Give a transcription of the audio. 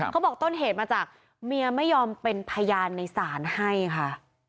ต้นเหตุมาจากเมียไม่ยอมเป็นพยานในศาลให้ค่ะ